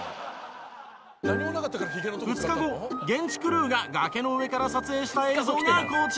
２日後現地クルーが崖の上から撮影した映像がこちら。